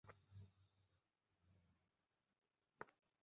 লাল মাটি গরম পানিতে ফুটিয়ে, লবনের সাথে খেয়েছিলাম।